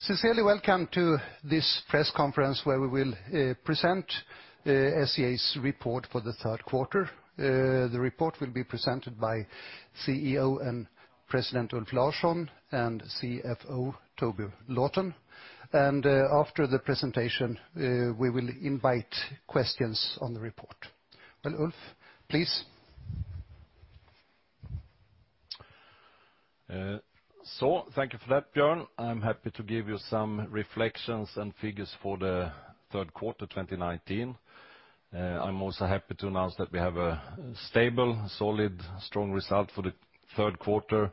Sincerely welcome to this press conference where we will present SCA's report for the third quarter. The report will be presented by CEO and President Ulf Larsson and CFO Toby Lawton. After the presentation, we will invite questions on the report. Well, Ulf, please. Thank you for that, Bjorn. I'm happy to give you some reflections and figures for the third quarter 2019. I'm also happy to announce that we have a stable, solid, strong result for the third quarter,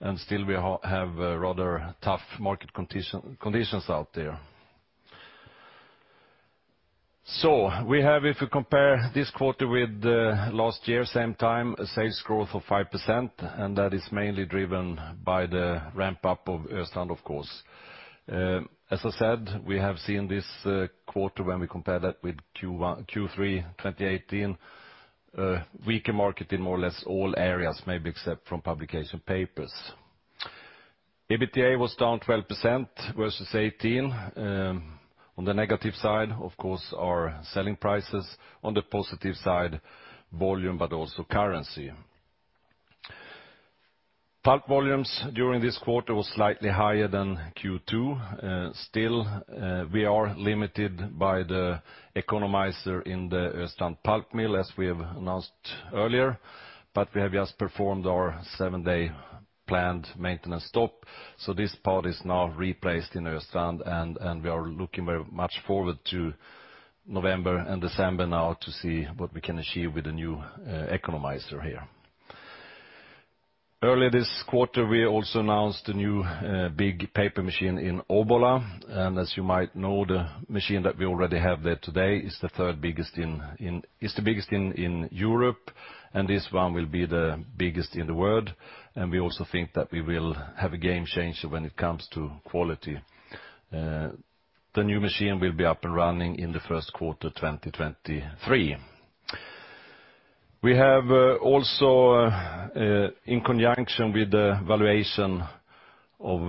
and still we have rather tough market conditions out there. We have, if you compare this quarter with last year same time, a sales growth of 5%, and that is mainly driven by the ramp-up of Östrand, of course. As I said, we have seen this quarter when we compare that with Q3 2018, weaker market in more or less all areas, maybe except from publication papers. EBITDA was down 12% versus '18. On the negative side, of course, our selling prices. On the positive side, volume, but also currency. Pulp volumes during this quarter was slightly higher than Q2. We are limited by the economizer in the Östrand pulp mill, as we have announced earlier, but we have just performed our seven-day planned maintenance stop. This part is now replaced in Östrand, we are looking very much forward to November and December now to see what we can achieve with the new economizer here. Early this quarter, we also announced a new big paper machine in Obbola, as you might know, the machine that we already have there today is the biggest in Europe, this one will be the biggest in the world. We also think that we will have a game changer when it comes to quality. The new machine will be up and running in the first quarter 2023. We have also, in conjunction with the valuation of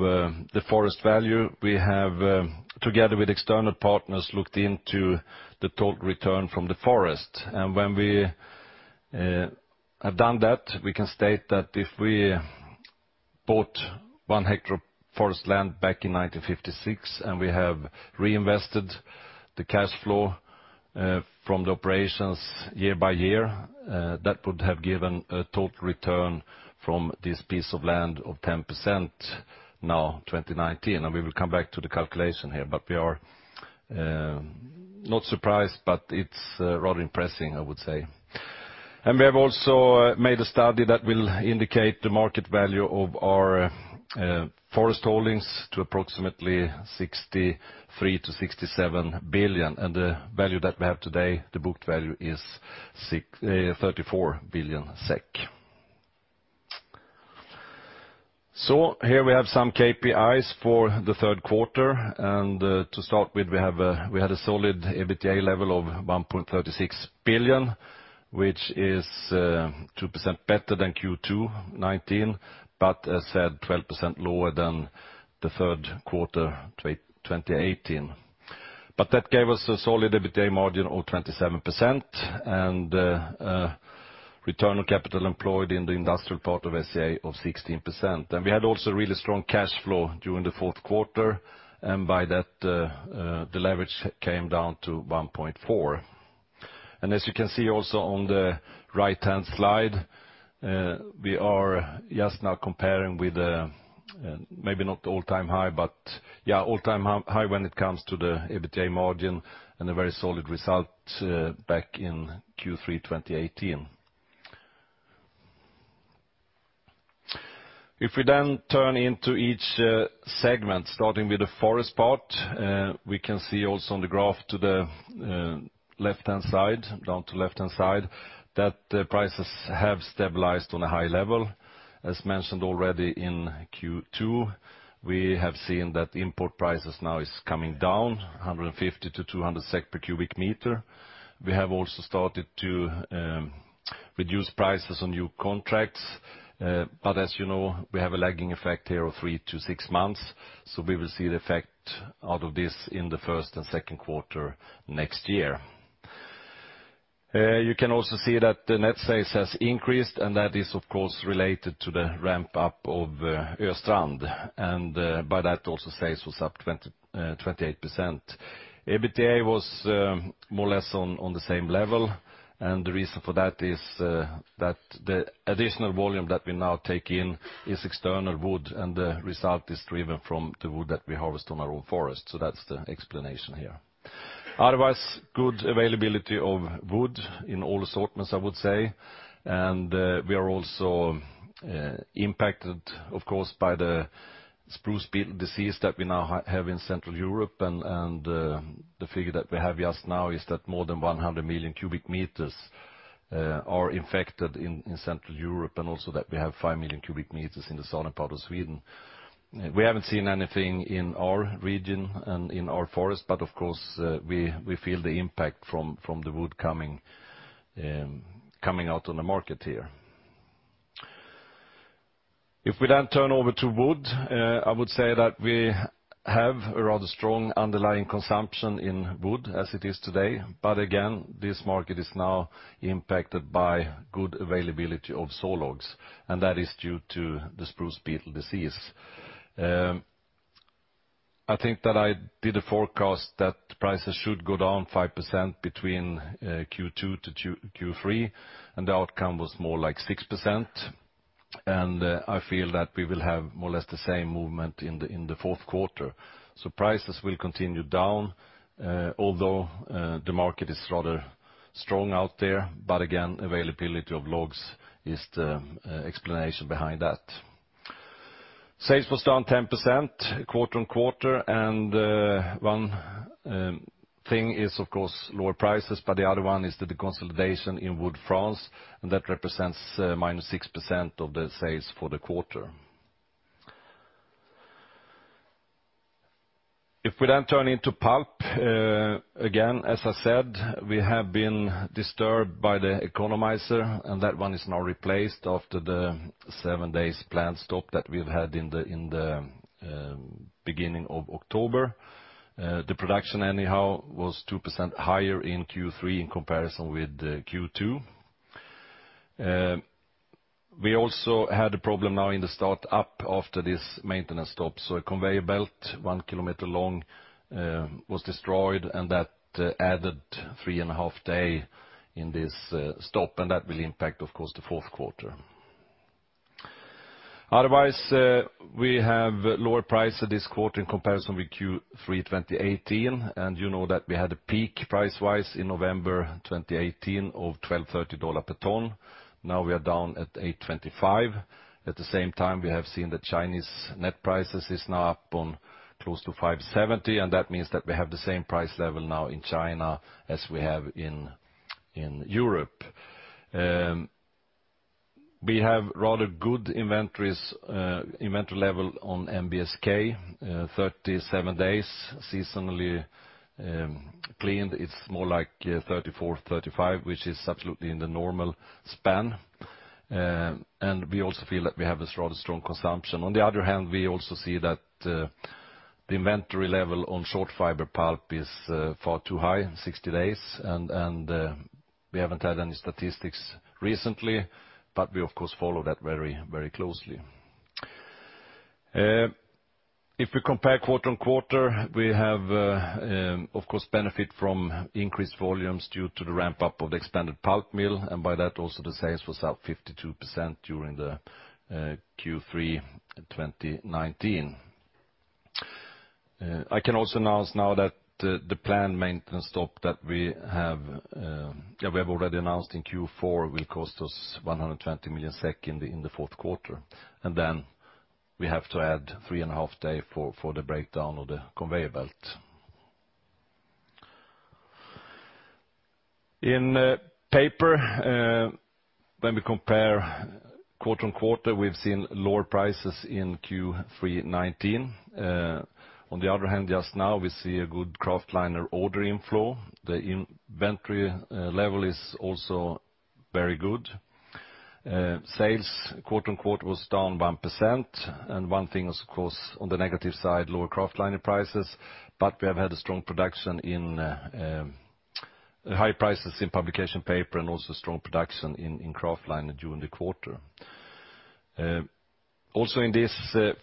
the forest value, we have, together with external partners, looked into the total return from the forest. When we have done that, we can state that if we bought one hectare of forest land back in 1956, and we have reinvested the cash flow from the operations year by year, that would have given a total return from this piece of land of 10% now 2019. We will come back to the calculation here, but we are not surprised, but it's rather impressing, I would say. We have also made a study that will indicate the market value of our forest holdings to approximately 63 billion-67 billion. The value that we have today, the book value, is 34 billion SEK. Here we have some KPIs for the third quarter. To start with, we had a solid EBITDA level of 1.36 billion, which is 2% better than Q2 2019. As said, 12% lower than the third quarter 2018. That gave us a solid EBITDA margin of 27% and a return on capital employed in the industrial part of SCA of 16%. We had also really strong cash flow during the fourth quarter, and by that, the leverage came down to 1.4. As you can see also on the right-hand slide, we are just now comparing with, maybe not all-time high, but yeah, all-time high when it comes to the EBITDA margin and a very solid result back in Q3 2018. If we turn into each segment, starting with the forest part, we can see also on the graph to the left-hand side, down to left-hand side, that the prices have stabilized on a high level. As mentioned already in Q2, we have seen that import prices now is coming down 150-200 SEK per cubic meter. We have also started to reduce prices on new contracts. As you know, we have a lagging effect here of three to six months. We will see the effect out of this in the first and second quarter next year. You can also see that the net sales has increased, and that is, of course, related to the ramp-up of Östrand. By that also, sales was up 28%. EBITDA was more or less on the same level. The reason for that is that the additional volume that we now take in is external wood, and the result is driven from the wood that we harvest on our own forest. That's the explanation here. Otherwise, good availability of wood in all assortments, I would say. We are also impacted, of course, by the spruce beetle disease that we now have in Central Europe. The figure that we have just now is that more than 100 million cubic meters are infected in Central Europe. Also that we have five million cubic meters in the southern part of Sweden. We haven't seen anything in our region and in our forest, but of course, we feel the impact from the wood coming out on the market here. If we turn over to wood, I would say that we have a rather strong underlying consumption in wood as it is today. Again, this market is now impacted by good availability of sawlogs, and that is due to the spruce beetle disease. I think that I did a forecast that prices should go down 5% between Q2 to Q3, the outcome was more like 6%. I feel that we will have more or less the same movement in the fourth quarter. Prices will continue down, although the market is rather strong out there. Again, availability of logs is the explanation behind that. Sales was down 10% quarter-on-quarter. One thing is, of course, lower prices. The other one is the consolidation in Wood France. That represents minus 6% of the sales for the quarter. Turning into pulp, again, as I said, we have been disturbed by the economizer. That one is now replaced after the seven days planned stop that we've had in the beginning of October. The production, anyhow, was 2% higher in Q3 in comparison with Q2. We also had a problem now in the start-up after this maintenance stop. A conveyor belt one kilometer long was destroyed. That added three and a half days in this stop. That will impact, of course, the fourth quarter. Otherwise, we have lower prices this quarter in comparison with Q3 2018. You know that we had a peak price-wise in November 2018 of $1,230 per ton. Now we are down at $825. At the same time, we have seen the Chinese net prices is now up on close to $570, and that means that we have the same price level now in China as we have in Europe. We have rather good inventory level on NBSK, 37 days seasonally cleaned. It's more like 34, 35, which is absolutely in the normal span. We also feel that we have this rather strong consumption. On the other hand, we also see that the inventory level on short fiber pulp is far too high, 60 days. We haven't had any statistics recently, but we of course follow that very closely. If we compare quarter-on-quarter, we have of course benefit from increased volumes due to the ramp-up of the expanded pulp mill. By that, also the sales was up 52% during the Q3 2019. I can also announce now that the planned maintenance stop that we have already announced in Q4 will cost us 120 million SEK in the fourth quarter. Then we have to add 3 and a half day for the breakdown of the conveyor belt. In paper, when we compare quarter-on-quarter, we've seen lower prices in Q3 2019. On the other hand, just now we see a good kraftliner order inflow. The inventory level is also very good. Sales quarter on quarter was down 1%. One thing is, of course, on the negative side, lower kraftliner prices. We have had a strong production. High prices in publication paper and also strong production in kraftliner during the quarter. Also in this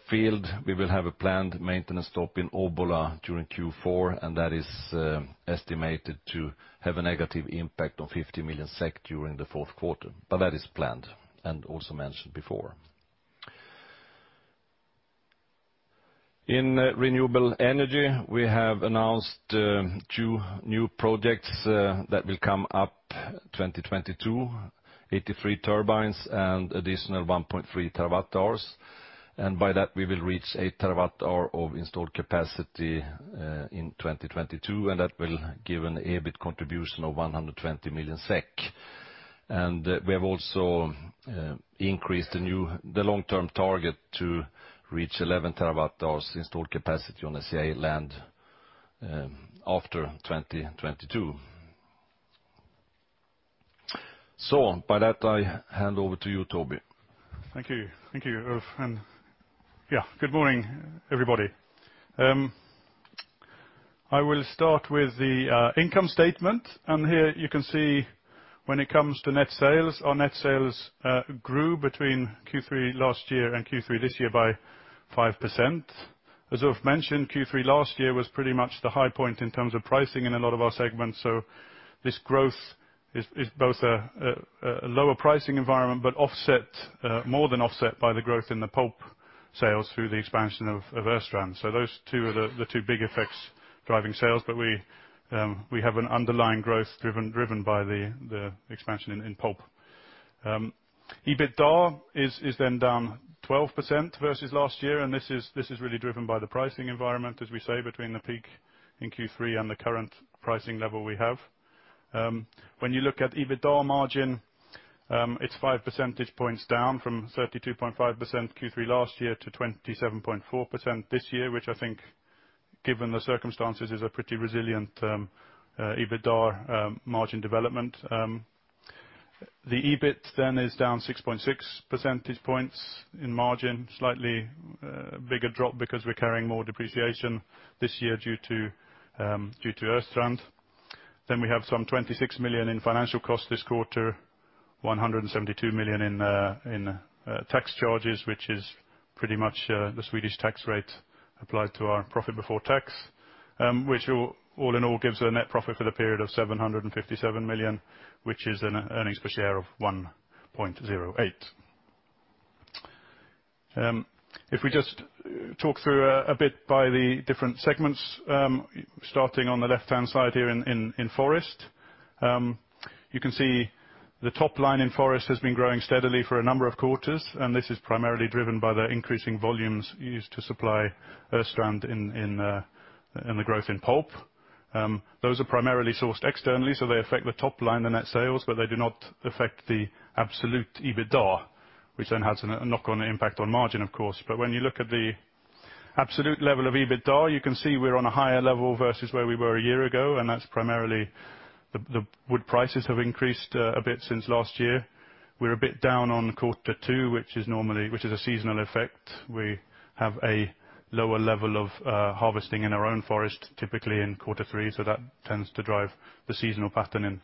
field, we will have a planned maintenance stop in Obbola during Q4. That is estimated to have a negative impact of 50 million SEK during the fourth quarter. That is planned and also mentioned before. In renewable energy, we have announced two new projects that will come up 2022, 83 turbines and additional 1.3 terawatt hours. By that, we will reach 8 terawatt hours of installed capacity in 2022. That will give an EBIT contribution of 120 million SEK. We have also increased the long-term target to reach 11 terawatt hours installed capacity on the SCA land after 2022. By that, I hand over to you, Toby. Thank you. Thank you, Ulf. Good morning, everybody. I will start with the income statement. Here you can see when it comes to net sales, our net sales grew between Q3 last year and Q3 this year by 5%. As Ulf mentioned, Q3 last year was pretty much the high point in terms of pricing in a lot of our segments. This growth is both a lower pricing environment, but more than offset by the growth in the pulp sales through the expansion of Östrand. Those two are the two big effects driving sales. We have an underlying growth driven by the expansion in pulp. EBITDA is down 12% versus last year. This is really driven by the pricing environment, as we say, between the peak in Q3 and the current pricing level we have. When you look at EBITDA margin, it's 5 percentage points down from 32.5% Q3 last year to 27.4% this year, which I think, given the circumstances, is a pretty resilient EBITDA margin development. The EBIT is down 6.6 percentage points in margin, slightly bigger drop because we're carrying more depreciation this year due to Östrand. We have some 26 million in financial cost this quarter, 172 million in tax charges, which is pretty much the Swedish tax rate applied to our profit before tax, which all in all gives a net profit for the period of 757 million, which is an earnings per share of 1.08. If we just talk through a bit by the different segments, starting on the left-hand side here in forest. You can see the top line in forest has been growing steadily for a number of quarters, and this is primarily driven by the increasing volumes used to supply Östrand in the growth in pulp. Those are primarily sourced externally, so they affect the top line and net sales, but they do not affect the absolute EBITDA, which then has a knock-on impact on margin, of course. When you look at the absolute level of EBITDA, you can see we're on a higher level versus where we were a year ago, and that's primarily the wood prices have increased a bit since last year. We're a bit down on quarter two, which is a seasonal effect. We have a lower level of harvesting in our own forest, typically in quarter three. That tends to drive the seasonal pattern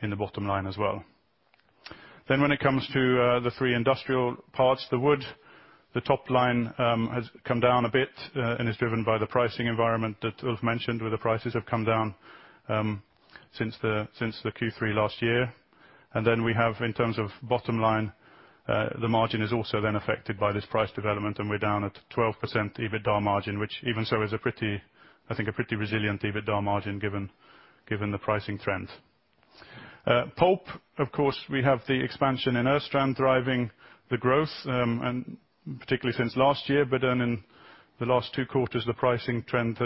in the bottom line as well. When it comes to the three industrial parts, the wood, the top line has come down a bit and is driven by the pricing environment that Ulf mentioned, where the prices have come down since the Q3 last year. We have, in terms of bottom line, the margin is also then affected by this price development, and we're down at 12% EBITDA margin, which even so is, I think, a pretty resilient EBITDA margin given the pricing trends. Pulp, of course, we have the expansion in Östrand driving the growth, and particularly since last year, but then in the last two quarters, the pricing trend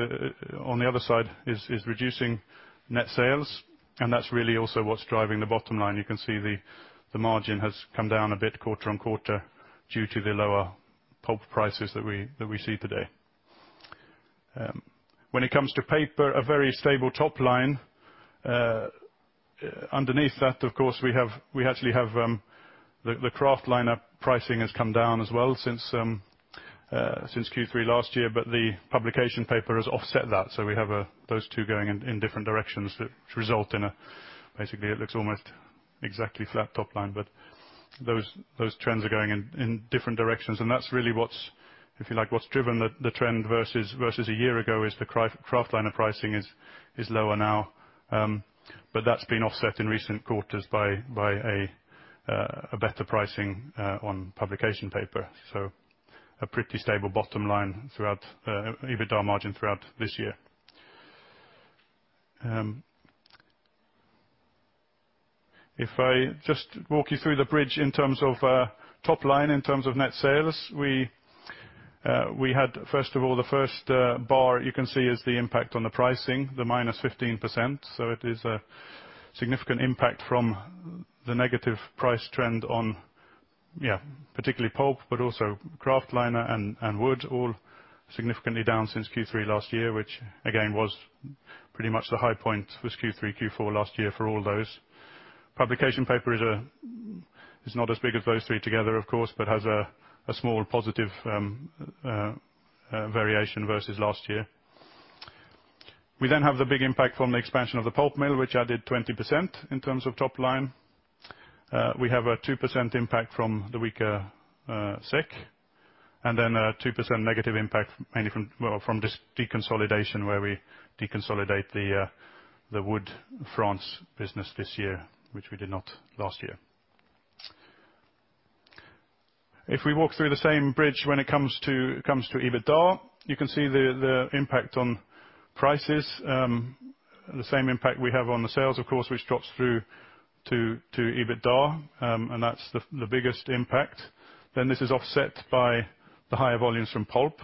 on the other side is reducing net sales, and that's really also what's driving the bottom line. You can see the margin has come down a bit quarter-on-quarter due to the lower pulp prices that we see today. When it comes to paper, a very stable top line. Underneath that, of course, we actually have the kraftliner pricing has come down as well since Q3 last year, but the publication paper has offset that. We have those two going in different directions, which result in basically, it looks almost exactly flat top line. Those trends are going in different directions, and that's really what's, if you like, what's driven the trend versus a year ago, is the kraftliner pricing is lower now, but that's been offset in recent quarters by a better pricing on publication paper. A pretty stable bottom line throughout EBITDA margin throughout this year. If I just walk you through the bridge in terms of top line, in terms of net sales. First of all, the first bar you can see is the impact on the pricing, the -15%. It is a significant impact from the negative price trend on, particularly pulp, but also kraftliner and wood, all significantly down since Q3 last year, which again, was pretty much the high point was Q3, Q4 last year for all those. Publication paper is not as big as those three together, of course, but has a small positive variation versus last year. Have the big impact from the expansion of the pulp mill, which added 20% in terms of top line. A 2% impact from the weaker SEK, and then a 2% negative impact mainly from this deconsolidation, where we deconsolidate the Wood France business this year, which we did not last year. If we walk through the same bridge when it comes to EBITDA, you can see the impact on prices, the same impact we have on the sales, of course, which drops through to EBITDA. That's the biggest impact. This is offset by the higher volumes from pulp,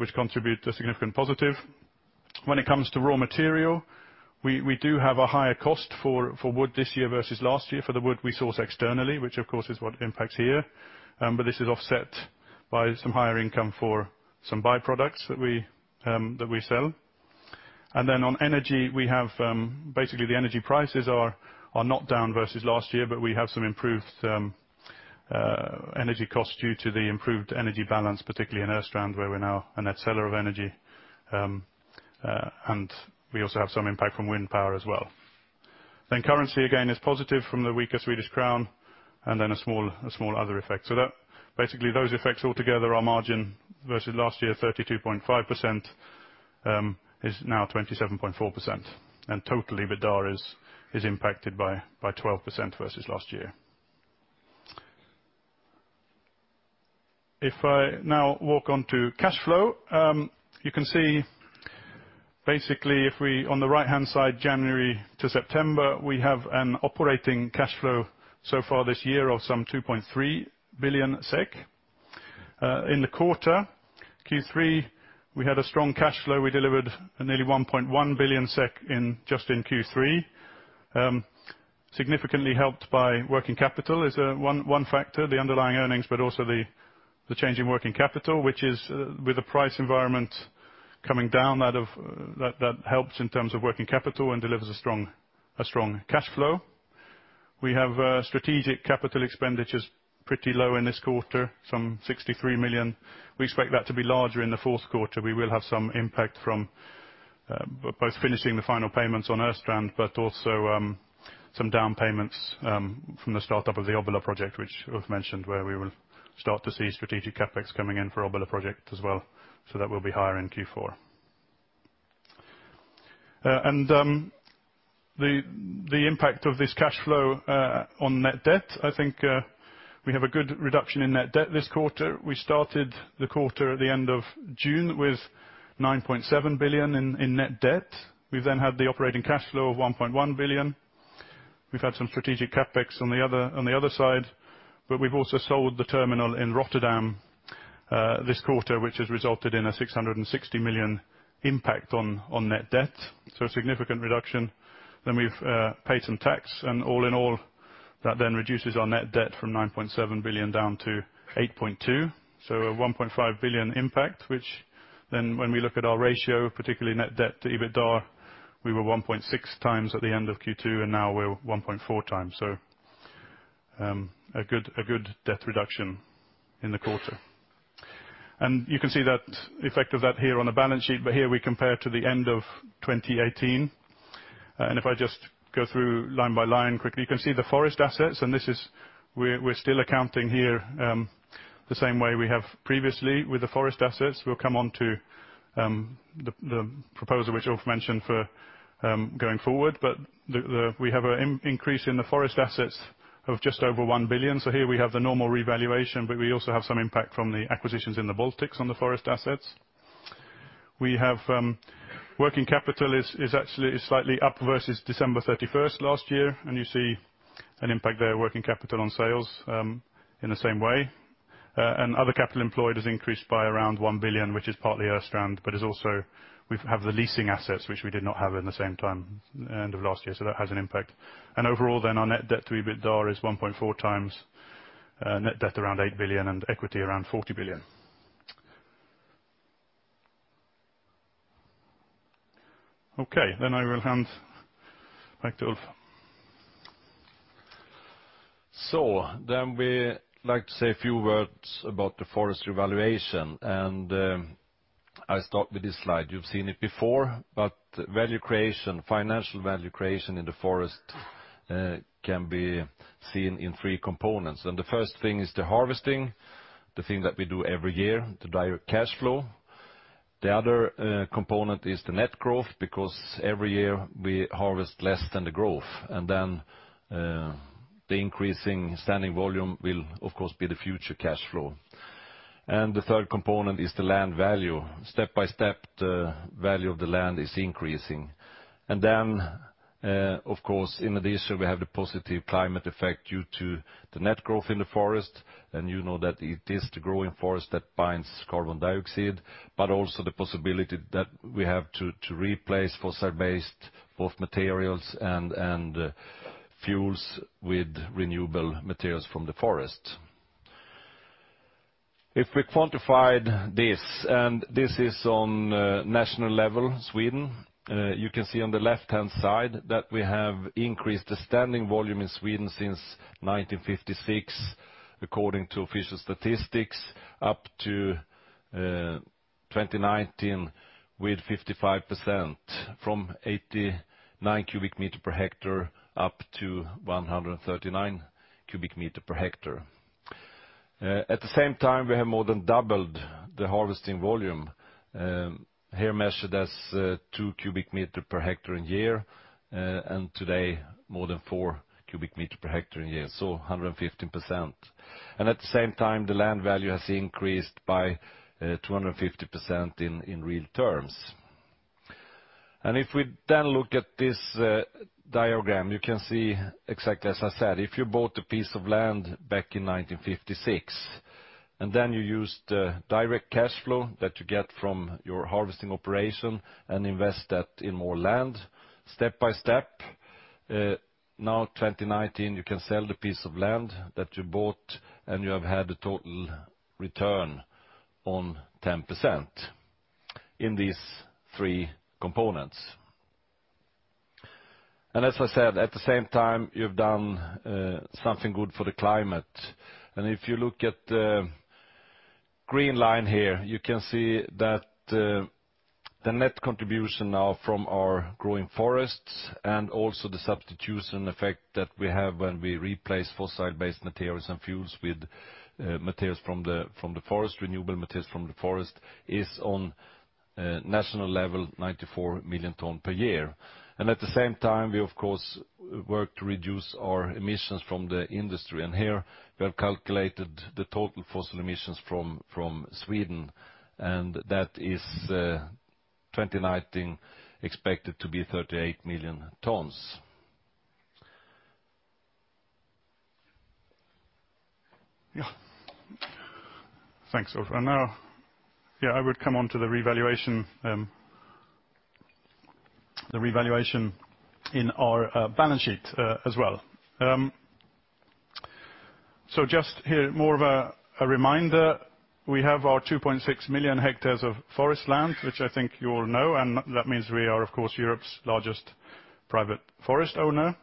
which contribute a significant positive. When it comes to raw material, we do have a higher cost for wood this year versus last year for the wood we source externally, which, of course, is what impacts here. This is offset by some higher income for some byproducts that we sell. On energy, basically, the energy prices are not down versus last year, but we have some improved energy cost due to the improved energy balance, particularly in Östrand, where we're now a net seller of energy. We also have some impact from wind power as well. Currency, again, is positive from the weaker Swedish crown, and a small other effect. Those effects all together, our margin versus last year, 32.5%, is now 27.4%, and total EBITDA is impacted by 12% versus last year. If I now walk on to cash flow. You can see basically, on the right-hand side, January to September, we have an operating cash flow so far this year of some 2.3 billion SEK. In the quarter, Q3, we had a strong cash flow. We delivered nearly 1.1 billion SEK just in Q3. Significantly helped by working capital is one factor, the underlying earnings, but also the change in working capital, which is with the price environment coming down, that helps in terms of working capital and delivers a strong cash flow. We have strategic capital expenditures pretty low in this quarter, some 63 million. We expect that to be larger in the fourth quarter. We will have some impact from both finishing the final payments on Östrand, also some down payments from the start-up of the Obbola project, which Ulf mentioned, where we will start to see strategic CapEx coming in for Obbola project as well. That will be higher in Q4. The impact of this cash flow on net debt, I think we have a good reduction in net debt this quarter. We started the quarter at the end of June with 9.7 billion in net debt. We've had the operating cash flow of 1.1 billion. We've had some strategic CapEx on the other side, we've also sold the terminal in Rotterdam, this quarter, which has resulted in a 660 million impact on net debt. A significant reduction. We've paid some tax, all in all, that reduces our net debt from 9.7 billion down to 8.2 billion. A 1.5 billion impact, which when we look at our ratio, particularly net debt to EBITDA, we were 1.6 times at the end of Q2, now we're 1.4 times. A good debt reduction in the quarter. You can see the effect of that here on the balance sheet, here we compare to the end of 2018. If I just go through line by line quickly, you can see the forest assets, we're still accounting here the same way we have previously with the forest assets. We'll come on to the proposal which Ulf mentioned for going forward. We have an increase in the forest assets of just over 1 billion. Here we have the normal revaluation, but we also have some impact from the acquisitions in the Baltics on the forest assets. Working capital is actually slightly up versus December 31st last year, and you see an impact there, working capital on sales in the same way. Other capital employed has increased by around 1 billion, which is partly Östrand, but we have the leasing assets, which we did not have in the same time end of last year. That has an impact. Our net debt to EBITDA is 1.4 times net debt around 8 billion and equity around 40 billion. I will hand back to Ulf. We like to say a few words about the forest revaluation. I start with this slide. You've seen it before, but value creation, financial value creation in the forest can be seen in three components. The first thing is the harvesting, the thing that we do every year, the direct cash flow. The other component is the net growth, because every year we harvest less than the growth. The increasing standing volume will, of course, be the future cash flow. The third component is the land value. Step by step, the value of the land is increasing. Of course, in addition, we have the positive climate effect due to the net growth in the forest. You know that it is the growing forest that binds carbon dioxide, but also the possibility that we have to replace fossil-based both materials and fuels with renewable materials from the forest. If we quantified this, and this is on national level, Sweden, you can see on the left-hand side that we have increased the standing volume in Sweden since 1956, according to official statistics, up to 2019 with 55%, from 89 cubic meters per hectare up to 139 cubic meters per hectare. At the same time, we have more than doubled the harvesting volume, here measured as two cubic meters per hectare in a year, and today more than four cubic meters per hectare in a year, so 115%. At the same time, the land value has increased by 250% in real terms. If we then look at this diagram, you can see exactly as I said, if you bought a piece of land back in 1956, then you used direct cash flow that you get from your harvesting operation and invest that in more land, step by step, now 2019, you can sell the piece of land that you bought, and you have had a total return on 10% in these three components. As I said, at the same time, you've done something good for the climate. If you look at the green line here, you can see that the net contribution now from our growing forests and also the substitution effect that we have when we replace fossil-based materials and fuels with materials from the forest, renewable materials from the forest, is on national level 94 million tons per year. At the same time, we of course work to reduce our emissions from the industry. Here we have calculated the total fossil emissions from Sweden, and that is 2019 expected to be 38 million tons. Thanks, Ulf. Now, I would come on to the revaluation in our balance sheet as well. Just here, more of a reminder, we have our 2.6 million hectares of forest land, which I think you all know, that means we are, of course, Europe's largest private forest owner.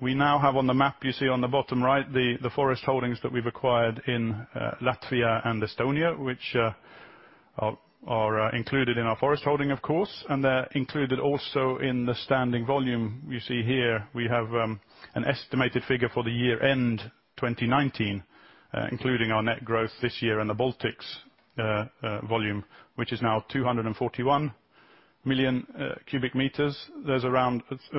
We now have on the map, you see on the bottom right, the forest holdings that we've acquired in Latvia and Estonia, which are included in our forest holding, of course, they're included also in the standing volume. You see here, we have an estimated figure for the year-end 2019, including our net growth this year and the Baltics volume, which is now 241 million cubic meters. Of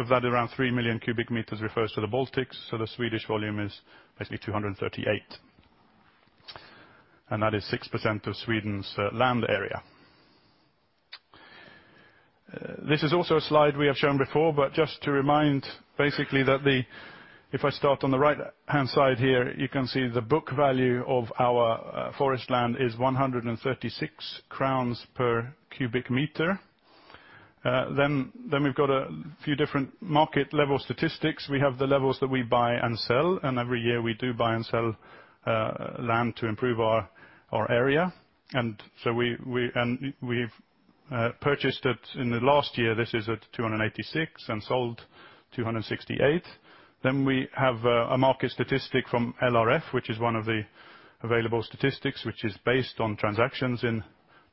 that, around three million cubic meters refers to the Baltics. The Swedish volume is basically 238. That is 6% of Sweden's land area. This is also a slide we have shown before, but just to remind, if I start on the right-hand side here, you can see the book value of our forest land is 136 crowns per cubic meter. We've got a few different market-level statistics. We have the levels that we buy and sell, and every year we do buy and sell land to improve our area. We've purchased it in the last year. This is at 286 and sold 268. We have a market statistic from LRF, which is one of the available statistics, which is based on transactions in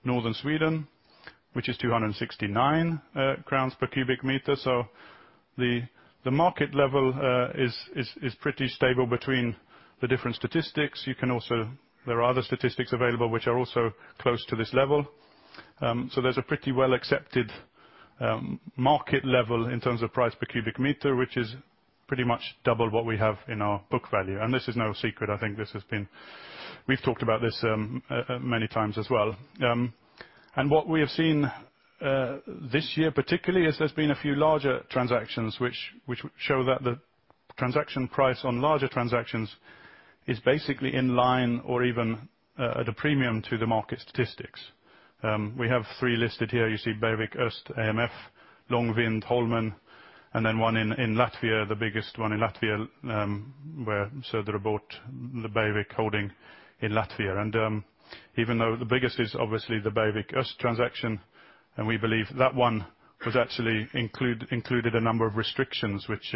Northern Sweden, which is 269 crowns per cubic meter. The market level is pretty stable between the different statistics. There are other statistics available which are also close to this level. There's a pretty well-accepted market level in terms of price per cubic meter, which is pretty much double what we have in our book value. This is no secret. We've talked about this many times as well. What we have seen this year particularly is there's been a few larger transactions, which show that the transaction price on larger transactions is basically in line or even at a premium to the market statistics. We have three listed here. You see Bergvik Öst/AMF, Långvind/Holmen and then one in Latvia, the biggest one in Latvia, where Södra bought the Bergvik holding in Latvia. Even though the biggest is obviously the Bergvik Öst transaction, and we believe that one actually included a number of restrictions which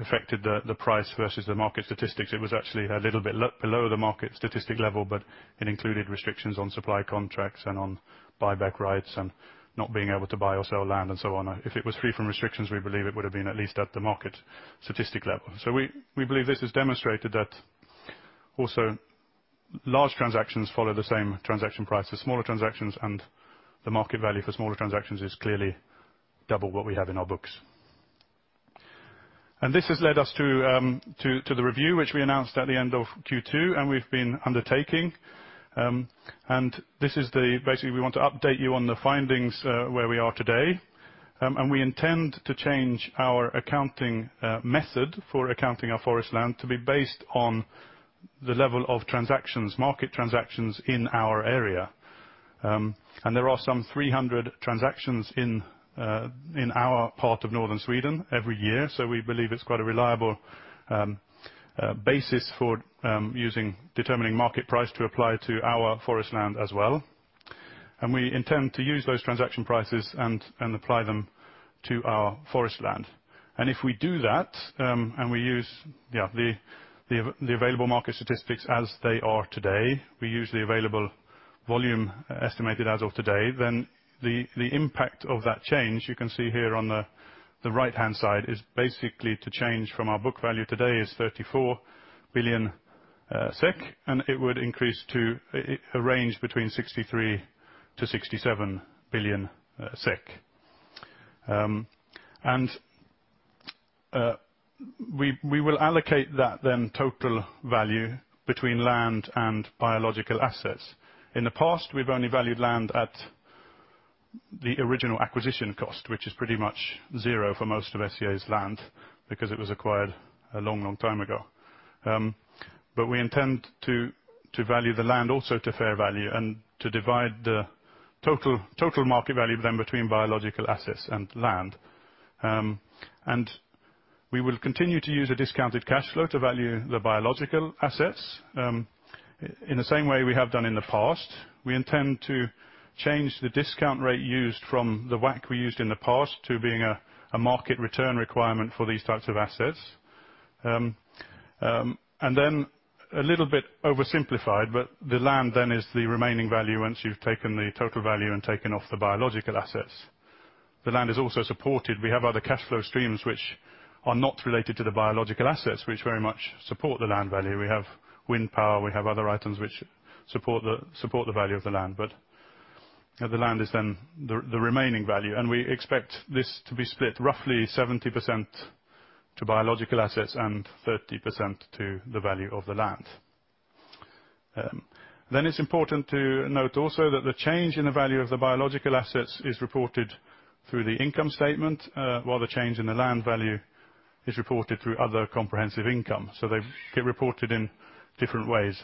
affected the price versus the market statistics. It was actually a little bit below the market statistic level, but it included restrictions on supply contracts and on buyback rights and not being able to buy or sell land and so on. If it was free from restrictions, we believe it would have been at least at the market statistic level. We believe this has demonstrated that also large transactions follow the same transaction price as smaller transactions, and the market value for smaller transactions is clearly double what we have in our books. This has led us to the review, which we announced at the end of Q2, and we've been undertaking. Basically, we want to update you on the findings where we are today. We intend to change our accounting method for accounting our forest land to be based on the level of market transactions in our area. There are some 300 transactions in our part of Northern Sweden every year. We believe it's quite a reliable basis for determining market price to apply to our forest land as well. We intend to use those transaction prices and apply them to our forest land. If we do that, we use the available market statistics as they are today, we use the available volume estimated as of today, the impact of that change, you can see here on the right-hand side, is basically to change from our book value today is 34 billion SEK, it would increase to a range between 63 billion-67 billion SEK. We will allocate that then total value between land and biological assets. In the past, we've only valued land at the original acquisition cost, which is pretty much zero for most of SCA's land because it was acquired a long time ago. We intend to value the land also to fair value and to divide the total market value then between biological assets and land. We will continue to use a discounted cash flow to value the biological assets in the same way we have done in the past. We intend to change the discount rate used from the WACC we used in the past to being a market return requirement for these types of assets. A little bit oversimplified, but the land then is the remaining value once you've taken the total value and taken off the biological assets. The land is also supported. We have other cash flow streams which are not related to the biological assets, which very much support the land value. We have wind power, we have other items which support the value of the land. The land is then the remaining value, and we expect this to be split roughly 70% to biological assets and 30% to the value of the land. It's important to note also that the change in the value of the biological assets is reported through the income statement, while the change in the land value is reported through other comprehensive income. They get reported in different ways.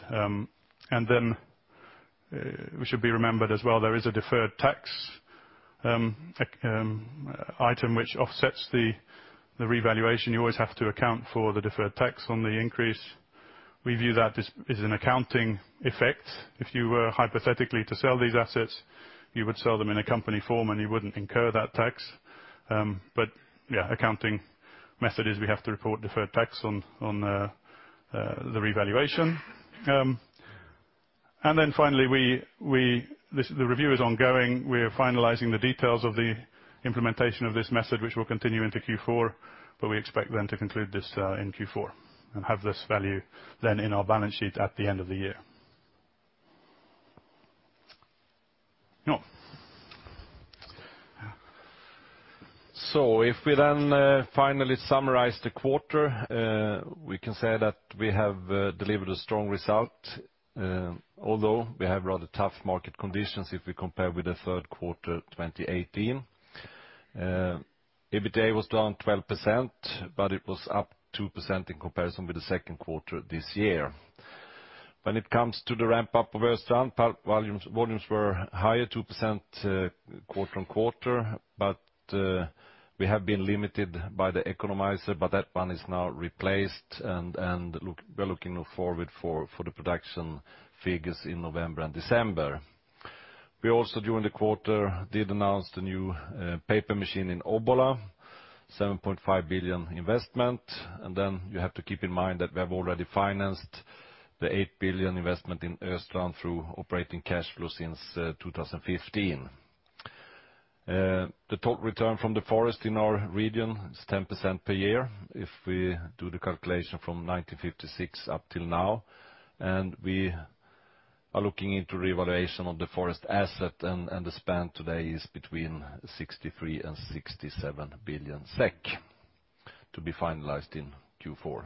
It should be remembered as well, there is a deferred tax item which offsets the revaluation. You always have to account for the deferred tax on the increase. We view that as an accounting effect. If you were hypothetically to sell these assets, you would sell them in a company form, and you wouldn't incur that tax. Yeah, accounting method is we have to report deferred tax on the revaluation. Finally, the review is ongoing. We are finalizing the details of the implementation of this method, which will continue into Q4, but we expect then to conclude this in Q4 and have this value then in our balance sheet at the end of the year. If we finally summarize the quarter, we can say that we have delivered a strong result, although we have rather tough market conditions if we compare with the third quarter 2018. EBITDA was down 12%, it was up 2% in comparison with the second quarter this year. When it comes to the ramp-up of Östrand, pulp volumes were higher 2% quarter-on-quarter, we have been limited by the economizer. That one is now replaced and we're looking forward for the production figures in November and December. We also, during the quarter, did announce the new paper machine in Obbola, 7.5 billion investment. You have to keep in mind that we have already financed the 8 billion investment in Östrand through operating cash flow since 2015. The total return from the forest in our region is 10% per year if we do the calculation from 1956 up till now, and we are looking into revaluation of the forest asset, and the span today is between 63 billion and 67 billion SEK, to be finalized in Q4.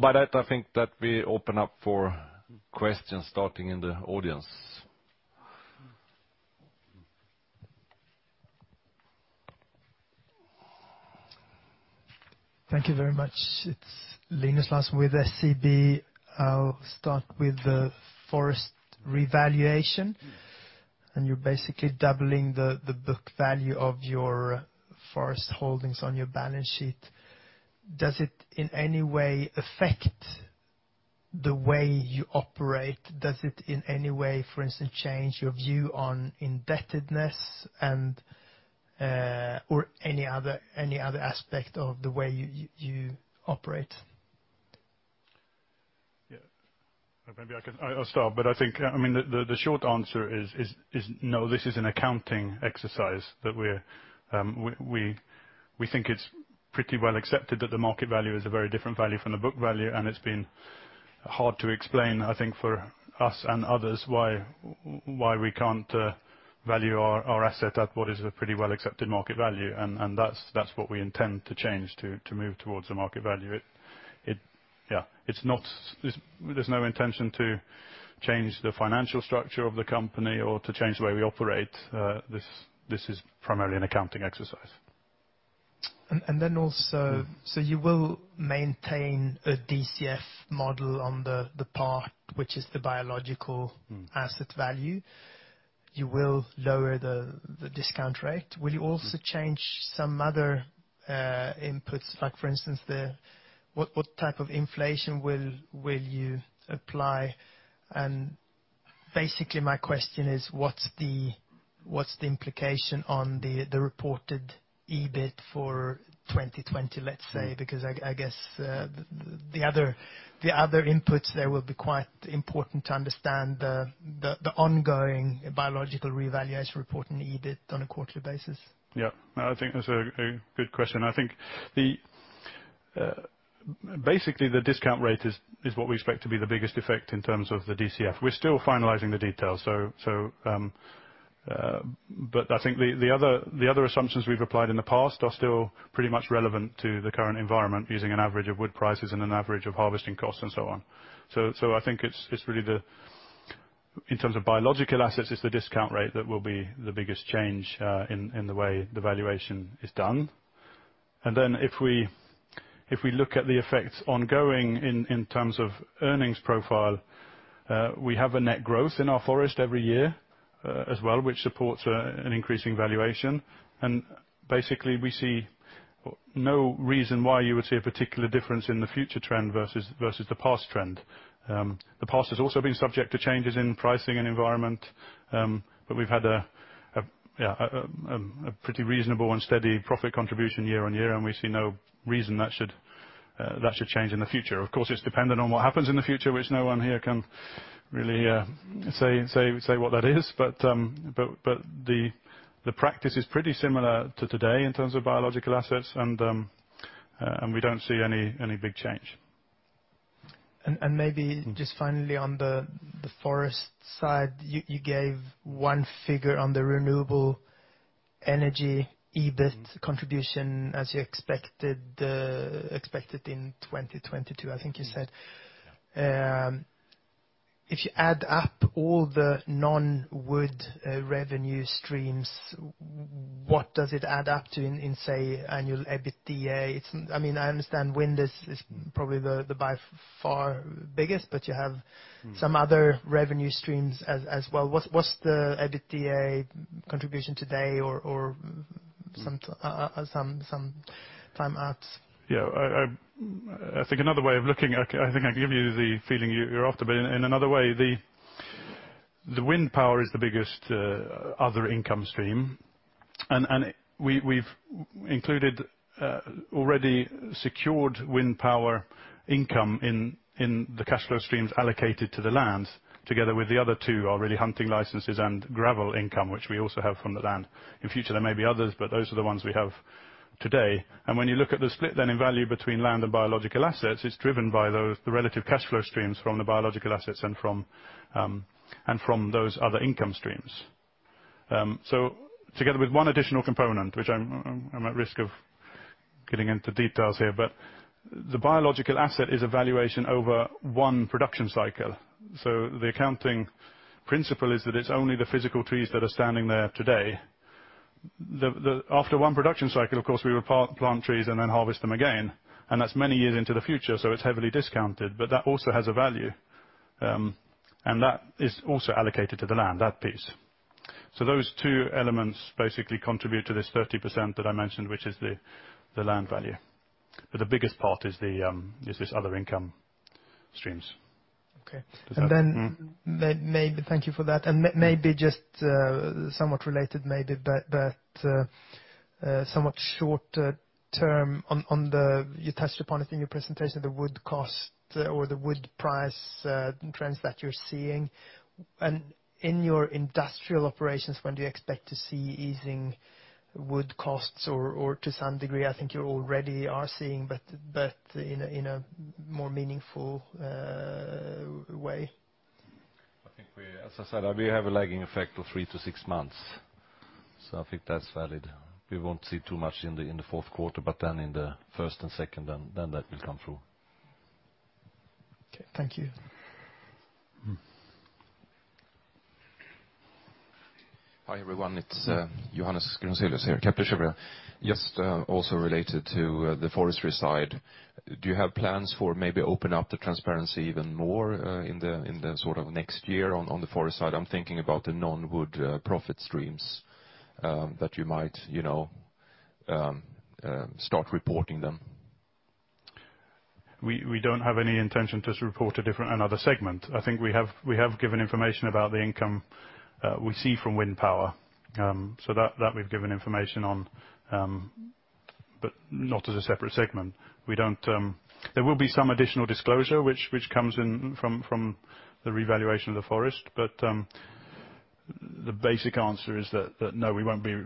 By that, I think that we open up for questions, starting in the audience. Thank you very much. It's Linus Larsson with SEB. I'll start with the forest revaluation, and you're basically doubling the book value of your forest holdings on your balance sheet. Does it in any way affect the way you operate? Does it in any way, for instance, change your view on indebtedness or any other aspect of the way you operate? Maybe I'll start. I think the short answer is no. This is an accounting exercise that we think it's pretty well accepted that the market value is a very different value from the book value. It's been hard to explain, I think, for us and others why we can't value our asset at what is a pretty well-accepted market value. That's what we intend to change to move towards the market value. There's no intention to change the financial structure of the company or to change the way we operate. This is primarily an accounting exercise. You will maintain a DCF model on the part which is the biological asset value. You will lower the discount rate. Will you also change some other inputs? For instance, what type of inflation will you apply? Basically, my question is, what's the implication on the reported EBIT for 2020, let's say, because I guess the other inputs there will be quite important to understand the ongoing biological revaluation report and the EBIT on a quarterly basis. Yeah, I think that's a good question. I think basically the discount rate is what we expect to be the biggest effect in terms of the DCF. We're still finalizing the details, but I think the other assumptions we've applied in the past are still pretty much relevant to the current environment, using an average of wood prices and an average of harvesting costs and so on. I think in terms of biological assets, it's the discount rate that will be the biggest change in the way the valuation is done. If we look at the effects ongoing in terms of earnings profile, we have a net growth in our forest every year as well, which supports an increasing valuation. Basically, we see no reason why you would see a particular difference in the future trend versus the past trend. The past has also been subject to changes in pricing and environment, but we've had a pretty reasonable and steady profit contribution year on year, and we see no reason that should change in the future. Of course, it's dependent on what happens in the future, which no one here can really say what that is. But the practice is pretty similar to today in terms of biological assets, and we don't see any big change. Maybe just finally on the forest side, you gave one figure on the renewable energy EBIT contribution as you expected in 2022, I think you said. If you add up all the non-wood revenue streams, what does it add up to in annual EBITDA? I understand wind is probably the by far biggest, you have some other revenue streams as well. What's the EBITDA contribution today or some time out? Yeah. I think I can give you the feeling you're after, but in another way, the wind power is the biggest other income stream. We've included already secured wind power income in the cash flow streams allocated to the land, together with the other two are really hunting licenses and gravel income, which we also have from the land. In future, there may be others, those are the ones we have today. When you look at the split, then in value between land and biological assets, it's driven by the relative cash flow streams from the biological assets and from those other income streams. Together with one additional component, which I'm at risk of getting into details here, the biological asset is a valuation over one production cycle. The accounting principle is that it's only the physical trees that are standing there today. After one production cycle, of course, we will plant trees and then harvest them again, that's many years into the future, it's heavily discounted. That also has a value, that is also allocated to the land, that piece. Those two elements basically contribute to this 30% that I mentioned, which is the land value. The biggest part is this other income streams. Okay. Thank you for that. Maybe just somewhat related, maybe, but somewhat short term. You touched upon it in your presentation, the wood cost or the wood price trends that you're seeing. In your industrial operations, when do you expect to see easing wood costs or to some degree, I think you already are seeing, but in a more meaningful way? I think as I said, we have a lagging effect of three to six months. I think that's valid. We won't see too much in the fourth quarter. Then in the first and second, then that will come through. Okay. Thank you. Hi, everyone. It's Johannes Grunselius here, Kepler Cheuvreux. Just also related to the forestry side. Do you have plans for maybe open up the transparency even more in the next year on the forest side? I'm thinking about the non-wood profit streams that you might start reporting them. We don't have any intention to report another segment. I think we have given information about the income we see from wind power. That we've given information on, but not as a separate segment. There will be some additional disclosure which comes in from the revaluation of the forest. The basic answer is that, no, we won't be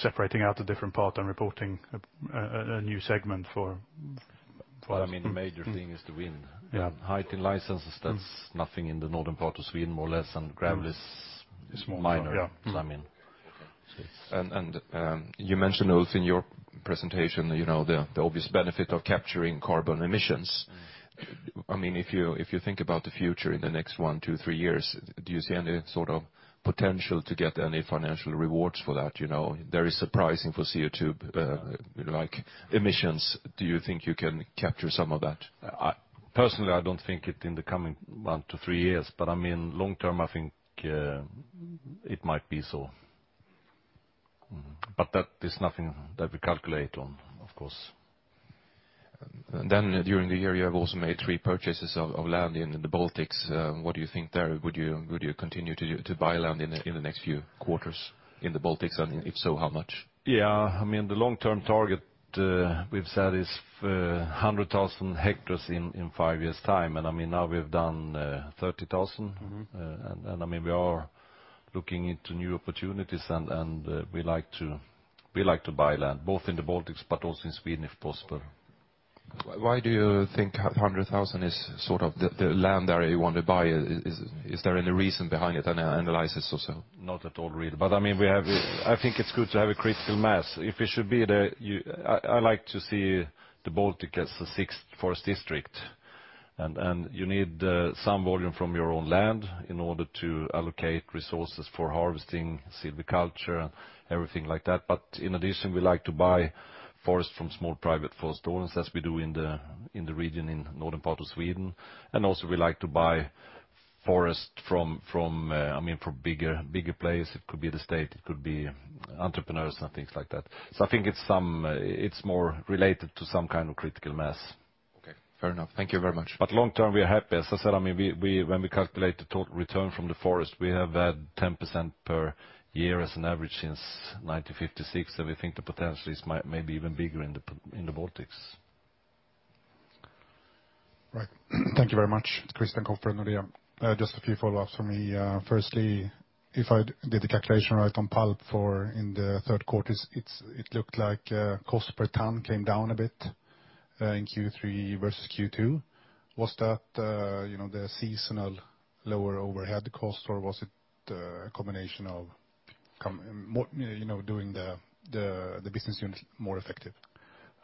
separating out a different part and reporting a new segment. Well, the major thing is the wind. Yeah. Hunting licenses, that's nothing in the northern part of Sweden, more or less, and gravel is minor. Yeah. Is what I mean. Okay. You mentioned also in your presentation, the obvious benefit of capturing carbon emissions. If you think about the future in the next one to three years, do you see any sort of potential to get any financial rewards for that? There is pricing for CO2, like emissions. Do you think you can capture some of that? Personally, I don't think it in the coming one to three years, but long term, I think it might be so. That is nothing that we calculate on, of course. During the year, you have also made three purchases of land in the Baltics. What do you think there? Would you continue to buy land in the next few quarters in the Baltics? If so, how much? Yeah. The long-term target we've said is 100,000 hectares in five years' time. Now we've done 30,000, and we are looking into new opportunities, and we like to buy land, both in the Baltics but also in Sweden, if possible. Why do you think 100,000 is sort of the land area you want to buy? Is there any reason behind it? Any analysis or so? Not at all, really. I think it's good to have a critical mass. I like to see the Baltic as the sixth forest district, and you need some volume from your own land in order to allocate resources for harvesting, silviculture, everything like that. Also, we like to buy forest from small private forest owners as we do in the region in northern part of Sweden. Also, we like to buy forest from bigger players. It could be the state, it could be entrepreneurs and things like that. I think it's more related to some kind of critical mass. Okay. Fair enough. Thank you very much. Long term, we are happy. As I said, when we calculate the total return from the forest, we have had 10% per year as an average since 1956, and we think the potential is maybe even bigger in the Baltics. Right. Thank you very much. Christian Kopfer, Nordea. Just a few follow-ups for me. Firstly, if I did the calculation right on pulp in the third quarter, it looked like cost per ton came down a bit. In Q3 versus Q2, was that the seasonal lower overhead cost or was it a combination of doing the business units more effective?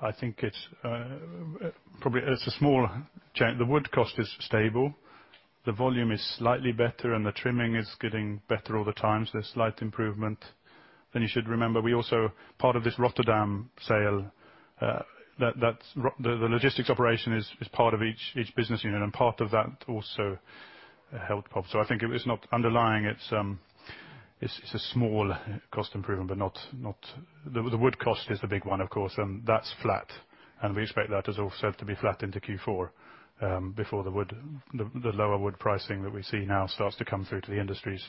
I think probably it's a small change. The wood cost is stable, the volume is slightly better, and the trimming is getting better all the time. There's slight improvement. You should remember, part of this Rotterdam sale, the logistics operation is part of each business unit, and part of that also helped. I think underlying, it's a small cost improvement. The wood cost is the big one, of course, and that's flat. We expect that also to be flat into Q4, before the lower wood pricing that we see now starts to come through to the industries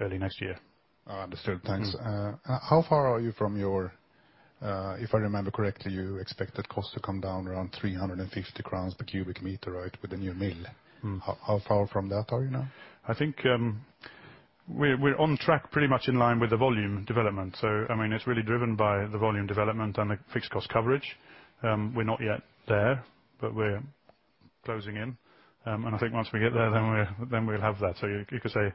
early next year. Understood. Thanks. How far are you from If I remember correctly, you expected cost to come down around 350 crowns per cubic meter with the new mill. How far from that are you now? I think we're on track, pretty much in line with the volume development. It's really driven by the volume development and the fixed cost coverage. We're not yet there, but we're closing in. I think once we get there, then we'll have that. You could say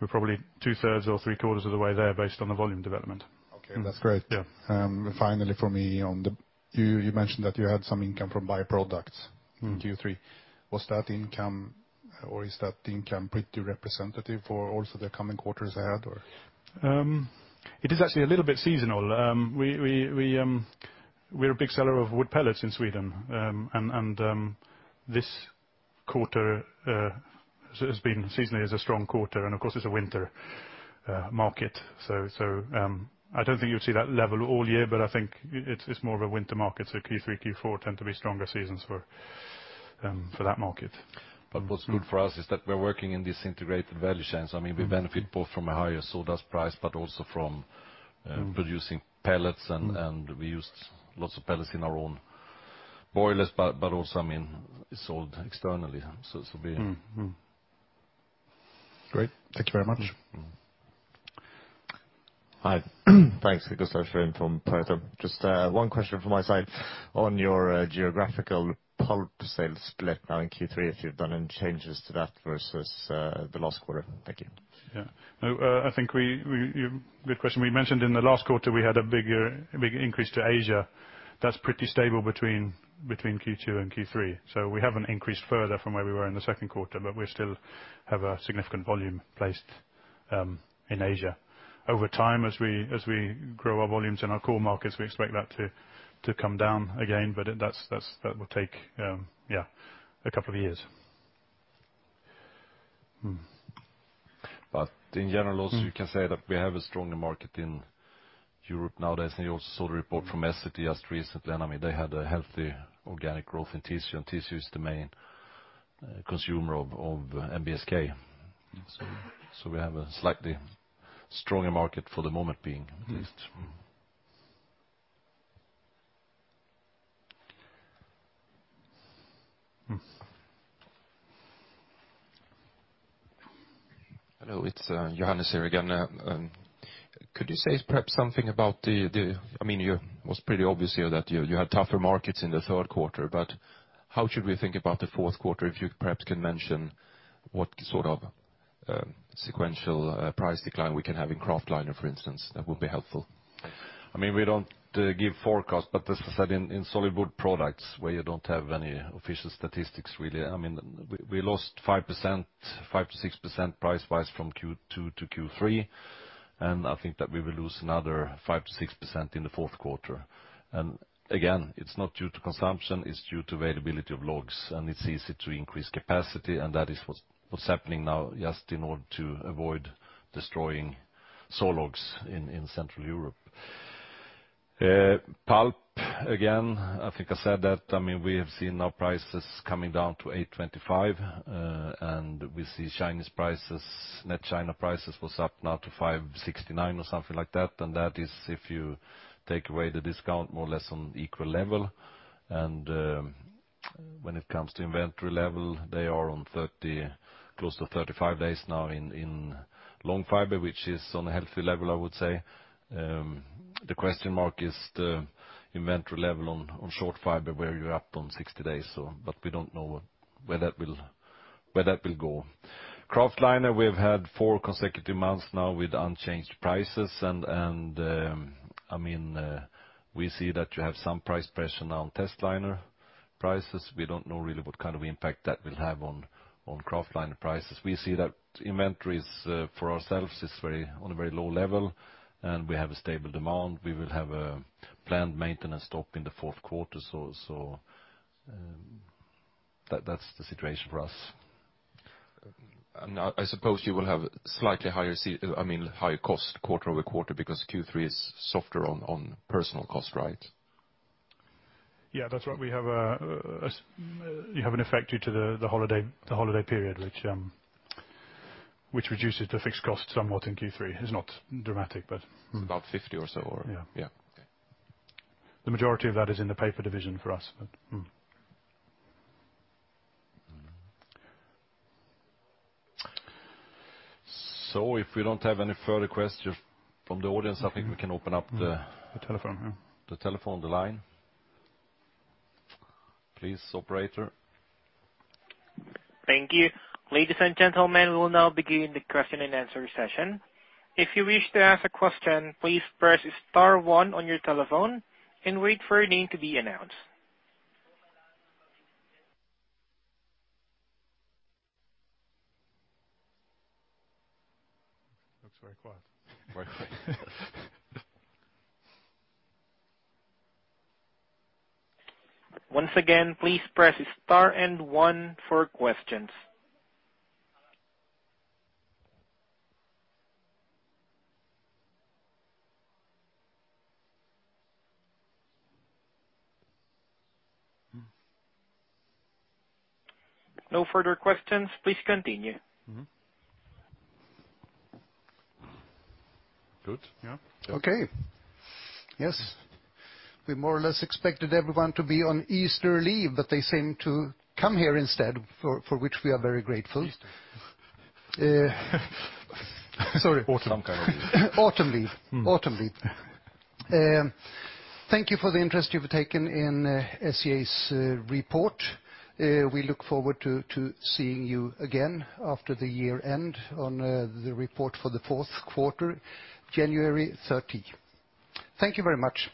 we're probably two-thirds or three-quarters of the way there based on the volume development. Okay, that's great. Yeah. Finally from me. You mentioned that you had some income from byproducts in Q3. Was that income or is that income pretty representative for also the coming quarters ahead or? It is actually a little bit seasonal. We're a big seller of wood pellets in Sweden. This quarter has been seasonally as a strong quarter. Of course, it's a winter market. I don't think you would see that level all year, but I think it's more of a winter market. Q3, Q4 tend to be stronger seasons for that market. What's good for us is that we're working in this integrated value chains. We benefit both from a higher sawdust price, but also from producing pellets, and we used lots of pellets in our own boilers. Also, it's sold externally. Great. Thank you very much. Hi. Thanks. Gustav Sjödin from Pareto. Just one question from my side. On your geographical pulp sales split now in Q3, if you've done any changes to that versus the last quarter. Thank you. Yeah. Good question. We mentioned in the last quarter, we had a big increase to Asia. That's pretty stable between Q2 and Q3. We haven't increased further from where we were in the second quarter, but we still have a significant volume placed in Asia. Over time, as we grow our volumes in our core markets, we expect that to come down again. That will take, a couple of years. In general also, you can say that we have a stronger market in Europe nowadays. You also saw the report from Essity just recently. They had a healthy organic growth in tissue, and tissue is the main consumer of NBSK. We have a slightly stronger market for the moment being, at least. Hello, it's Johannes here again. It was pretty obvious here that you had tougher markets in the third quarter, but how should we think about the fourth quarter? If you perhaps can mention what sort of sequential price decline we can have in kraftliner, for instance. That would be helpful. As I said, in solid wood products, where you don't have any official statistics, really, we lost 5%-6% price rise from Q2 to Q3. I think that we will lose another 5%-6% in the fourth quarter. Again, it's not due to consumption, it's due to availability of logs, and it's easy to increase capacity. That is what's happening now, just in order to avoid destroying saw logs in Central Europe. Pulp, again, I think I said that we have seen our prices coming down to 825, and we see net China prices was up now to 569 or something like that. That is, if you take away the discount, more or less on equal level. When it comes to inventory level, they are close to 35 days now in long fiber, which is on a healthy level, I would say. The question mark is the inventory level on short fiber, where you're up on 60 days. We don't know where that will go. kraftliner, we have had four consecutive months now with unchanged prices. We see that you have some price pressure now on testliner prices. We don't know really what kind of impact that will have on kraftliner prices. We see that inventories for ourselves is on a very low level, and we have a stable demand. We will have a planned maintenance stop in the fourth quarter. That's the situation for us. I suppose you will have slightly higher cost quarter-over-quarter because Q3 is softer on personal cost, right? Yeah, that is right. You have an effect due to the holiday period, which reduces the fixed cost somewhat in Q3. It is not dramatic, but. It's about 50 or so. Yeah. Yeah. Okay. The majority of that is in the paper division for us, but. If we don't have any further questions from the audience, I think we can open up. The telephone, yeah. the telephone, the line. Please, operator. Thank you. Ladies and gentlemen, we will now begin the question and answer session. If you wish to ask a question, please press star one on your telephone and wait for your name to be announced. Looks very quiet. Very quiet. Once again, please press star and one for questions. No further questions. Please continue. Mm-hmm. Good. Yeah. Okay. Yes. We more or less expected everyone to be on Easter leave, but they seem to come here instead, for which we are very grateful. Easter. Sorry. Autumn. Some kind of leave. Autumn leave. Thank you for the interest you've taken in SCA's report. We look forward to seeing you again after the year end on the report for the fourth quarter, January 30. Thank you very much.